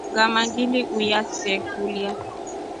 Ngama ngiluiya se kulya.